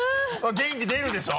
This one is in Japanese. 元気出るでしょ？